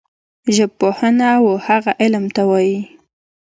ژبپوهنه وهغه علم ته وايي